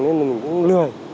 nên là mình cũng lười